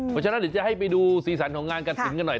เพราะฉะนั้นเดี๋ยวจะให้ไปดูสีสันของงานกระถิ่นกันหน่อย